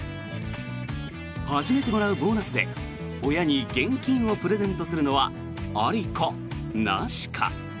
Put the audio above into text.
初めてもらうボーナスで親に現金をプレゼントするのはありか、なしか。